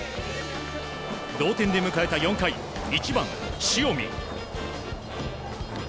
同点で迎えた４回１番、塩見。